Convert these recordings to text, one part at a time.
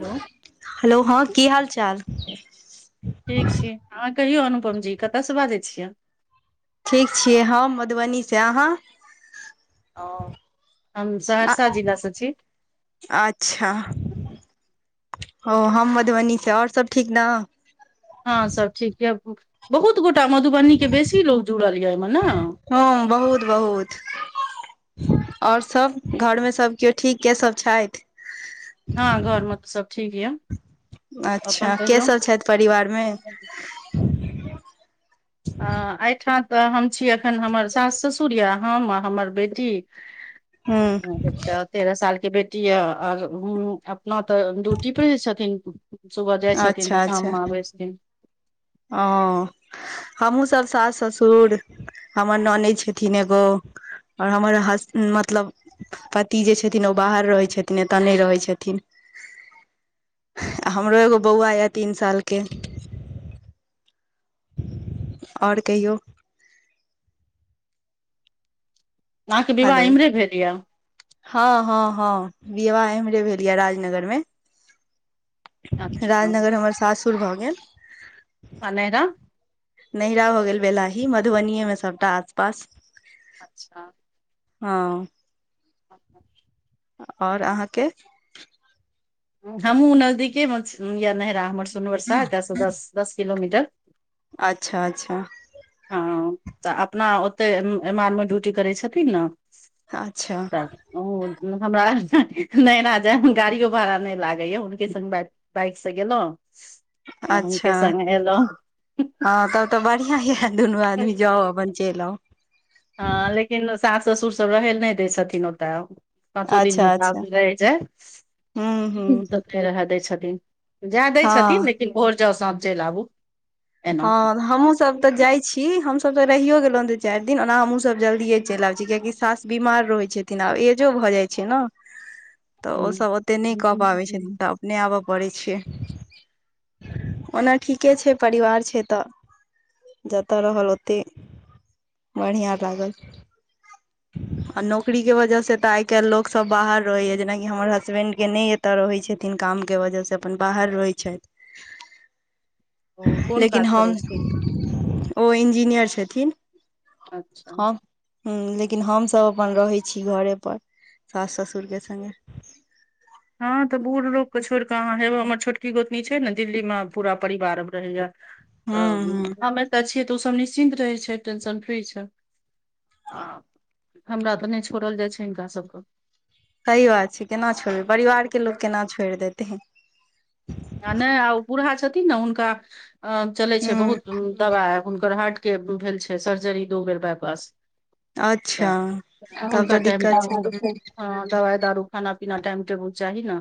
Hello hello हँ की हाल चाल ठीक छी अहाँ कहियौ अनुपम जी कतऽसँ बाजै छियै ठीक छियै हम मधुबनी से अहाँ हां हम आ- सहरसा जिलासँ छी अच्छा ओ हम मधुबनी से और सब ठीक न हँ सब ठीक यऽ बहुत गोटा मधुबनी के बेसी लोग जुड़ल य एहिमे न ह बहुत बहुत आओर सब घर मे सब केओ ठीक के सब छथि हँ घर मे तऽ सब ठीक यऽ अपन अच्छा के कहियौ सब छथि परिवारमे आ एहिठाम तऽ हम छी एखन हमर सास ससुर यए हम आ हमर बेटी ह हं एकटा तेरह साल के बेटी यऽ आर अपना तऽ ड्यूटी पड़ रहै छथिन सुबह जाइ छथिन तऽ शाम मे आबै छथिन अओ हमहूँ सभ सास ससुर हमर ननदि छथिन एगो आओर हमर हस मतलब पति जे छथिन ओ बाहर रहै छथिन एतय नहि रहै छथिन आ हमरो एगो बौआ यए तीन सालके आओर कहियौ अहाँके विवाह हेलो एम्हरे भेल य हँ हँ हँ विवाह एम्हरे भेल ये राजनगर मे अच्छा राजनगर हमर सासुर भऽ गेल आ नैयरा नहिरा भ गेल बेलाही मधुबनिएमे सभटा आसपास अच्छा हँ [unintelligible] और अहाँके हमहुँ नजदीके मे या नैहरा हमर सुोनवरसा एतयसँ दस दस किलोमीटर अच्छा अच्छा हँ तऽ अपना ओते एम् आर मे ड्यूटी करैत छथिन ने अच्छा तऽ ओ हमरा ह ह्ह नहिरा जाय में गाड़ियो भाड़ा नहि लागैया हुनके संगमे बाइक से गेलौं आ हुनके अच्छा संगे एलौं हँ तब तऽ बढ़ियां या दुनू आदमी जाउ अपन चलि आउ हँ लेकिन सास ससुर सब रहैले नहि दै छथिन ओत्त पाँचो दिन जे ओ अच्छा अच्छा चाभै रैह जाई हूँ हूँ नै रहय दै छथिन जाए दै छथिन हँ लेकिन भोर जाउ सांझ चलि आबू एना हँ हमहू सब तऽ जाइ छी हमस तऽ रहियो गेलहुँं दू चारि दिन ओना हमहूँ सब जलदिए चलि आबै छी कियाकि सास बीमार रहे छ थिन आब एजो भऽ जाइ छै न तऽ ओसभ ओते नहि कऽ पाबै हूँ। छथिन नहि आबऽ पड़ै छै ओना ठीके छै परिवार छै से तऽ जतऽ रहल ओते बढ़ियां लागल [unintelligible] आ नौकरी के वजह से तऽ आइ काल्हि लोकसभ बाहर रहैया जेनाकि हमर हसबेंड के नहि एतऽ रहै छथिन काम के वजह से अपन बाहर रहै छैथ ओ कोन काज करै छी ओ इंजीनियर छथिन अच्छा हँ हं लेकिन हमसभ अपन रहै छी घरे पर सास ससुरके संगे हँ तऽ बूढ़ लोक के छोड़ि कऽ अहाँ हेबै हमर छोटकी गोतनी छै ने दिल्ली में पूरा परिवार रहैया हूँ हूँ त हम एतऽ छियै तऽ ओसभ निश्चिन्त रहै छै टेंशन फ्री छै आ हमरा तऽ नहि छोड़ल जाइ छै हिनका सबके सही बात छै केना छोड़बै परिवार के लोक केना छोड़ि देतेै आ नहि आ ओ बूढ़ा छथिन ने हुनका अ चलै छै हूँ बहुत दवाई हुनकर हार्ट के भेल छै सर्जरी दू बेर बाय पास अच्छा तऽ तब हुनका तऽ टाइम दिक्कत छै टाइम दवाइ दारू खाना पीना टाइम टेबुल चाही ने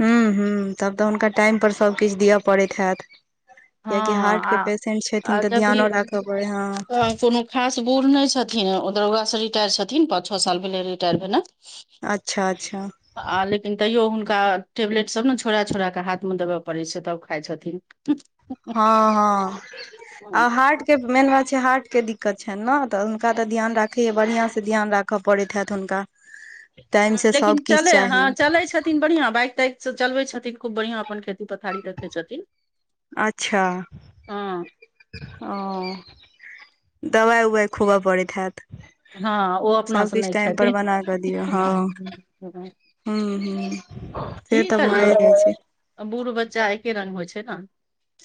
हूँ हूं तब तऽ हुनका टाइमपर सभकिछु दिअ पड़ैत हैत हँ कियाकि हार्टके आ पेशेंट छथिन आ तऽ ध्यानो जबकि राखय पड़ै ह तऽ कोनो खास बूढ़ नहि छथिन उ दरोगासँ रिटायर छथिन पाँच छओ साल भेलै रिटायर भेले अच्छा अच्छा आ लेकिन तैयो हुनका टेबलेट सब ने छोरा छोरा के हाथ मे देबय पड़े छै तब खाई छथिन कि [inaudible] हँ हँ आ हार्टके मेन बात छै हार्ट के दिक्कत छनि ने तऽ हुनका तऽ ध्यान राखैया बढ़िआं से ध्यान राख क पड़ैत हेत हुनका टाइम ह से लेकिन सब किछु चले हँ चाही चलै छ थिन बढ़ियां बाइक ताइक सब चलबै छथिन खूब बढ़ियां अपन खेती पथारी रखै छथिन अच्छा हँ हं दबा उबा खोब पड़ैत हेत हँ ओ अपनासँ नहि खेथिन बना हूं हूं से तऽ भए जाइ छै आ बूढ़ बच्चा एके रंग होइ छै ने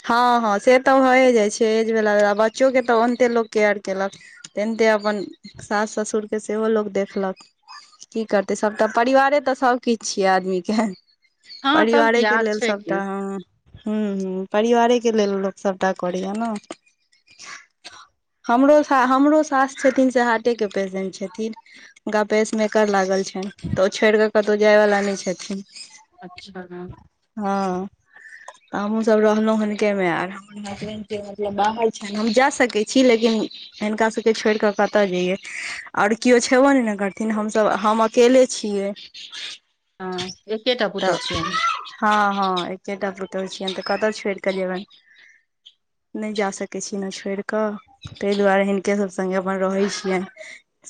हँ हँ से तऽ होए जाइ छै एजवला बच्चोके तऽ ओन्ते लोक केयर केलक तेनहिते अपन सास ससुरके सेहो लोक देखलक की करतै सभटाऽ परिवारे तऽ सभकिछ छियै आदमीके हँ तब की परिवारे के याद लेल छै सबटा की ह ह ह परिवारेके लेल लोक सभटा करैया ने हमरो सा हमरो सास छथिन से हार्टेके पेशेंट छथिन हुनका पेसमेकर लागल छनि तऽ ओ छोड़ि कऽ कतौ जाय वाला नहि छथिन अच्छा हँ हमहुँ सब रहलहुँ हुनके मे आ हसबैंड के मतलब बाहर छनि हम जा सकै छी लेकिन हिनका सभके छोड़ि कऽ कतय जइयै और केओ छेबो नहि ने करथिन हमसभ हम अकेले छियै ह [inaudible] हँ एकेटा पुतौह छीयन हँ हँ एके टा पुतौह छियनि तऽ कतह छोड़ि कऽ जेबनि नहि जा सकैत छीय ने छोड़ि कऽ ताहि दुआरे हिनके सभ संगे अपन रहै छियनि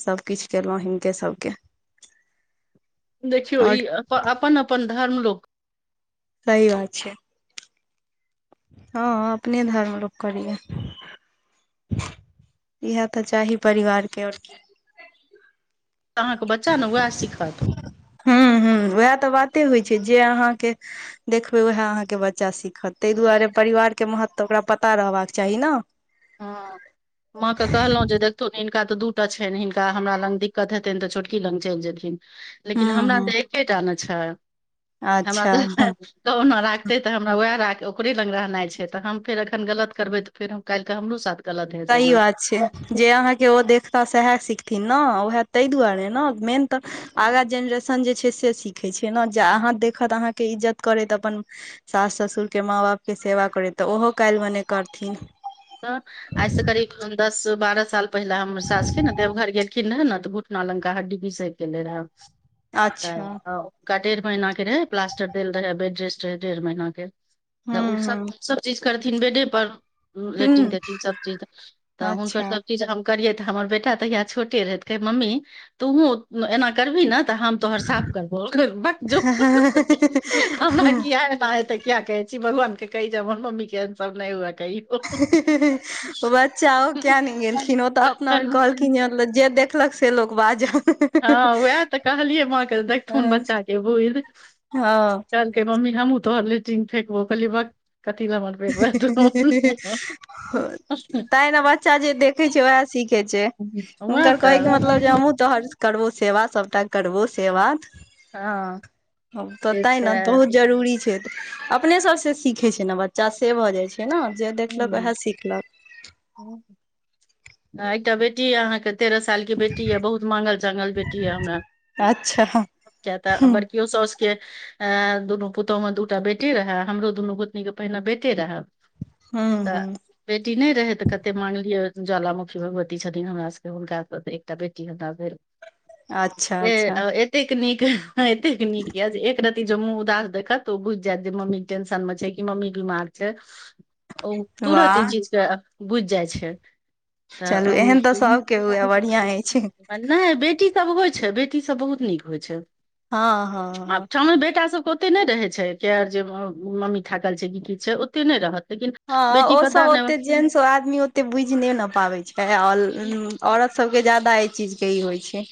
सभकिछु केलहुँ हिनके सभके [inaudible] देखियौ ई आओर अपन अपन धर्म लोक सही बात छै हँ अपने धर्म लोक करैया इएह तऽ चाही परिवार के और की अहाँके बच्चा ने उएह सिखत हूं हूं उएह तऽ बाते होइ छै जे अहाँके देखबै उएह अहाँके बच्चा सीखत ताहि दुआरे परिवारके महत्व ओकरा पता रहबाक चाही ने हँ माँ के कहलहुँ जे त हिनका तऽ दूटा छनि हिनका हमरा लग दिक्कत हेतनि तऽ छोटकी लग चलि जेथिन लेकिन हुं हमरा हुं तऽ एकेटा ने छै हमरा अच्छा तऽ हँ कहुना राखतै त हमरा वहाय राख ओकरे लग रहनाइ छै त हम फेर अखन गलत करबै त फेर हम हमरो साथ गलत हेतै सही ने बात छै जे तऽ अहाँ के ओ देखथिन सएह सिखथिन ने उएह ताहि दुआरे ने मेन तऽ आगा जेनरेशन जे छै से सीखै छैय न जे अहाँ देखत अहाँके इज्जत करैत अपन सास ससुरके माँ बापके सेवा करैत तऽ ओहो काल्हि भेने करथिन तऽ आइ से करीब दस बारह साल पहिले हमर सासके ने देवघर गेल किन न तऽ घुटना लंका हड्डी घिसेक गेले रहैन अच्छा का डेढ़ महीना के रहै प्लास्टर देल रहै बेड रेस्ट रहै डेढ़ महीना के हुं तऽ हुं ओसभ सब चीज करथिन बेडे पर लेट्रिंग हुं तेट्रिंग सबचीज तऽ हुनकर अच्छा सब चीज हम करियै त हमार बेटा ताहि छोटे रहै त, कहै मम्मी, तुहो एना करवही नहि। तोहर साफ करबो बक जो हमरा किया हे [unintelligible] किया कहे छी भगवान के कही ज हमर मम्मी के एन सब न हुए कहयौ ही ही ही ओ बच्चा ओ किया नहि गेलखिन ओ तऽ अपना बेर कहल खिन जे देखलक से लोक बाजल हँ, उएह तऽ कहलियै, माँके देखथुन बच्चा के बुईध हँ च कहै मम्मी हमूँ तोहर लेटिंग फेेकबौ कहलीयै भक तै ने बच्चा जे देख खै छै उएह सीखे छै उएह हुनकर कहे के तऽ मतलब जे हमहु तोहर करबौ सेवा सबटा करबौ से बात हँ हं त से तै ने छै बहुत जरूरी छै, तऽ अपने सभसँ सीखै छै ने बच्चा। बच्चा से भऽ जाइ छै ने जे देखलक हूँ उहै सिखलक आ एकटा बेटी अइ अहाँके तेरह साल के बेटी य बहुत माँगल चाँगल बेटी य हमरा अच्छा किया त बरकियो सॉस के, दुनू पुतोमे दूटा बेटी रहे। हमरो दुनू गोतनीके पहिने बेटे रहै। हँ हू बेटी नहि रहै तऽ कते मांगलियै ओ ज्वालामुखी भगवती छथिन हमरा सबके हुनका स त एकटा बेटी हमरा भेल [inaudible] अच्छा ह एक अच्छा [unintelligible] एतेक नीक एतेक नीक य जे एक रति ज मुँह उदास देखत तऽ ओ बुझ जायत जे मम्मी टेंशन में छै कि मम्मी बीमार छैै ओ तुरत ई वाह चीजके बुझि जाइ छै तऽ चलू [unintelligible] एहन तऽ सभके हुए बढ़िआँ अछि नहि बेटीसभ होइ छै बेटीसभ बहुत नीक होइ छै हँ हँ आ हँ ठामे बेटा सब के ओते नहि रहे छै के आर जे मम्मी थाकल छै की की छै ओते नहि रहत लेकिन हँ, बेटी ओ सभ पता ओते जेन सँ आदमी ओते बुझि नहि न पाबै छै। औरत सभके एहि चीजक जादा असर होइ छै।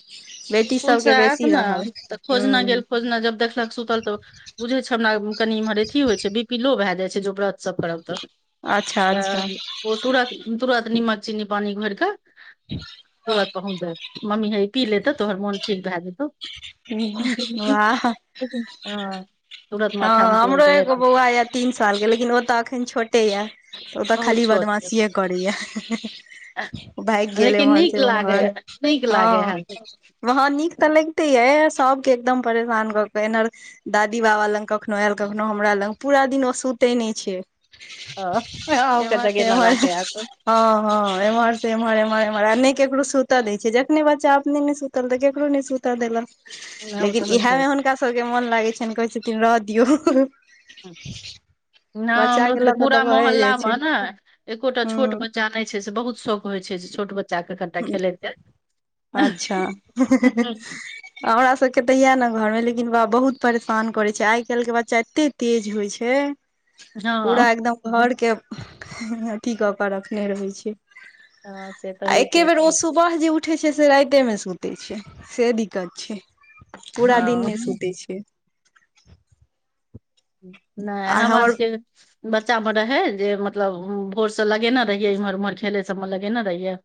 बेटी स्कूलसँ सबके आयत बेसी ने, रहल तऽ खोजऽ गेल। ह खोजऽ-खोजऽ जखन देखलक, तऽ सुतल छल। बुझै छै हमरा कनि इम्हर अथी होइ छै विपीलो भए जाइ छै जो व्रत सब करब तऽ अच्छा अच्छा तऽ ओ तुरत तुरत नीमक चीन्नी पानि घोरि कऽ तुरत पहुंच जायत मम्मी हे ई पी ले त मोन ठीक भऽ जेतौ वाह ह। हँ हमरो एगो बौआ य तीन सालके लेकिन ओ तऽ अखन छोटे यऽ ओतऽ बहुत खाली छोट ये। बदमाशीए करैया भाइग गेल लेकिन उम्हर नीक से लागे उम्हर नीक लागे हँ हैत वहाँ नीक तऽ लगैत छै, सबके एकदम परेशान कऽ कऽ एनहर दादी-बाबा लग। कखनो आयल कखनो हमरा लग पूरा दिन ओ सुतै नहि छै हँ आँहू के एम्हर से जगेने एम्हर राखै हेत हँ हँ एम्हर से एम्हर एम्हर एम्हर आ नै केकरो सुत दै छै जखने बच्चा अपने नै सुतल त केकरो नहि सुत तऽ देलक ओनाहुतो लेकिन इएह होइत मे हैत हुनका सबके मोन लागै छेन कहै छथिन रह दियौ नहि बच्चा हमरो के सबके लऽ कऽ तऽ पूरा भए मोहल्ला जाइ छै मे ने एकोटा छोट हूँ बच् चा नै छै से बहुत शौक होइ छै जे छोट बच्चाके कतऽ खेलेतै अच्छा हँ हमर सभके तऽ इएह ने घरमे लेकिन ब बहुत परेशान करै छै आइ काल्हिके बच्चा एतेक तेज होइ छै पूरा एकदम घर के अथी कऽ के रखने रहै छै हँ से तऽ आ एक्के होइते बेर ओ छै सुबह जे उठ। उठै छै से राते मे सुते छै से दिक्कत छै पूरा दिन हँ नहि सुते छै नहि हमर सबके बच्चामे रहे जे, मतलब भोरसँ लगेने रहियै, इम्हर-उम्हर खेलै सभमे लगेने रहियै।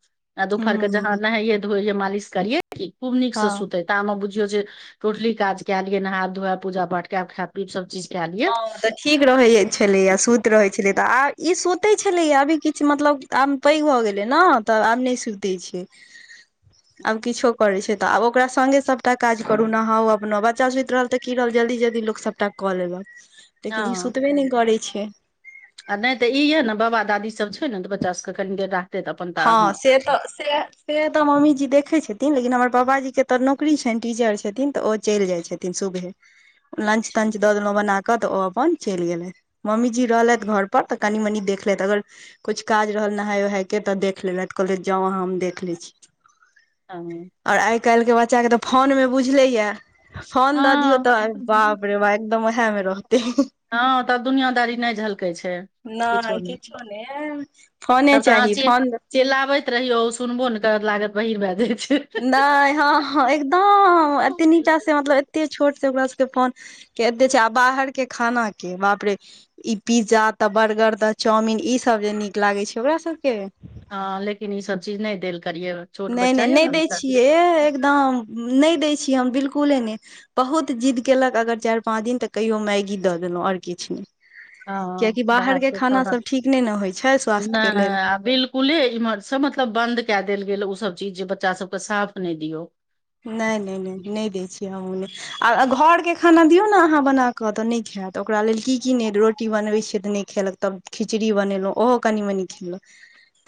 आ दुपहर के जहाँ हूं नहायै धोईये मालिश करिये की खूब नीक से हँ सुतै ता हम बुिझियो जे टोटली काज केय लियै नहा धोवए पूजा पाठ के खाय पीब सब चीज कए लियै हँ, तऽ ठीक रहैत छलैय। सुति रहैत छलै तऽ आ। ई सुते छले या आभी किछ मतलब आब पैग भऽ गेले ने तब आब ने सुते छैे [unintelligible] आब किछो करै छै तऽ आब ओकरा संगे सभटा काज करु नहाउ अपनो बच्चा सुति रहल तऽ की रहल जल्दी जल्दी लोकसभ सबटा कऽ लेबक लेकिन ई हँ सुतबे नहि करै छै आ नहि तऽ ई यह ने बाबा दादी सब छै ने तऽ बच्चा सबके कनि देर राखत हँ से तऽ सेएह से तऽ मम्मीजी देखै छथिन लेकिन हमर पापाजी के तऽ नौकरी छनि टीचर छथिन तऽ ओ चलि जाइ छथिन सुबहे लंच तंच द देलों बनाके तऽ ओ अपन चलि गेले मम्मी जी रहले घर पर तऽ कनी-मनी देख लेत। अगर किछु काज रहल, नहाय-उहाय। केतऽ देख लेलथि कहले जाउ आहाँ हम देख ले छी ह और आइ काल् के बच्चा के तऽ फोन में बुझले ये फोन द दियो हँ तऽ बाप रे बाप एकदम उहैमे रहते हँ तब दुनियादारी नहि झलकै छै नहि किछो नहि फोने तब तऽ अहाँ चाही चि फोन चिल्लाबैत रहियौ ओ सुनबो नै करत लागत बहीर भए जाय छै नहि हँ हँ एकदम एतनी टा से मतलब एते छोट सँ ओकरा सभके फोन केते छै, आ बाहरक खाना केबाप रे! ई पिज्जा तऽ बर्गर तऽ चाउमिन ई सब जे नीक लागै छै ओकरा सबके हँ लेकिन ई सब चीज नहि देल करियौ नहि नहि नहि दैत छियै एकदम नहि दैत छियै हम बिल्कुले नहि बहुत जिद्द केलक अगर चारि पाँच दिन तऽ कहियो मैगी दऽ देलहुँ और किछ नहि हँ कियाकि बाहर बाहरके के खाना सभ ठीक नहि ने होइ छै स्वास्थ्य के लेल स्कूलमे इम्हर सँ मतलब बन्द कऽ देल गेल, ओ सभ चीज जे बच्चा सभके साफ नहि दियौ। नहि नहि नहि नहि दै छियै हमहुं नै आ घरक खाना दियौ ने अहाँ बनाकऽ तऽ नहि खायत ओकरा लेल की-की रोटी बनबैत छियै? तऽ न खेलक, तब खिचड़ी बनेलहुँ ओहो कनि-मनी खेलक।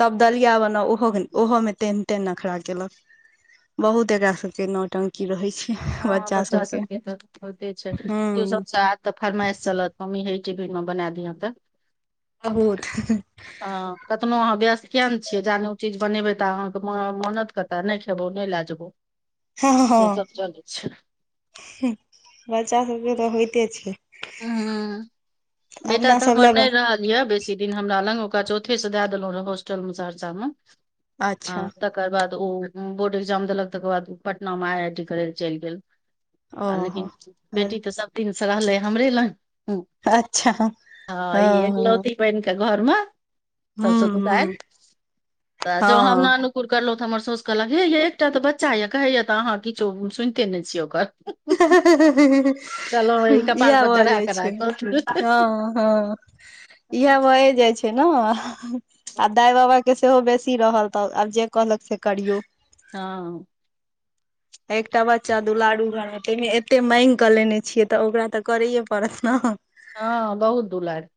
तब दलिया बनाउ ओहो ओहोमे तेन तेन नखरा केलक बहुत एकरा सभ के नौटं की रहै छै हँ हैं बच्चा सभके तऽ होइते छै, हूँ ट्यूशन स एत तऽ फरमाइश चलत मम्मी हे ई टीपीन मे बना दिय तऽ बहुत हं कतनो अहाँ व्यस्त कियाने छियै जाने ओ चीज बनेबै तऽ आहाँके मानत केतै नहि खेबौ नहि लए जेबौ हँ से हँ सब चलै छै बच्चा सबके तऽ होइते छै हँ, बेटा अपना तऽ सब हमर लए बन नहि रहत। य दिन हमरा लग ‌ ओकरा चौथ से द देलौ हॉस्टल में ‌ सहरसा में आ अच्छा त तकर बाद ओ बोर्ड एग्जाम देलक तकर बाद पटना मे आई आई टी करय ल चैल गेल आ ओहो लेकिन बेटी तऽ सभ दिन से रहलै हमरे लग अच्छा ह ई हँ एकलौती बहिन के घरमे सभसँ हूँ हूँ ज [unintelligible] कुर करलौ तऽ हमर सोस कहलक हे ये एकटा तऽ बच्चा यऽ कहैया तऽ अहाँ किछो सुनिते नहि छियै ओकर इह कहलहुँ ई कपार पर भऽ चढ़ा जाइ कऽ छै राखब हँ हँ [unintelligible] इह भए जाइ छै न आ दाइ बाबा के सेहो बेसी रहल तऽ आब जे कहलक से करियौ हँ एकटा बच्चा दू लाडू रहै तैमे एते माइंग कऽ लेने छियै तऽ ओकरा तऽ करैए पड़त न हँ बहुत दूलारु